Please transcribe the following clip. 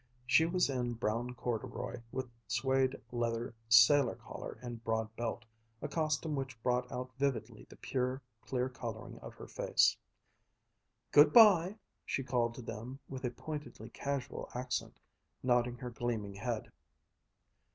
She was in brown corduroy with suede leather sailor collar and broad belt, a costume which brought out vividly the pure, clear coloring of her face. "Good bye," she called to them with a pointedly casual accent, nodding her gleaming head.